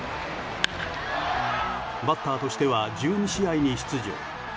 バッターとしては１２試合に出場。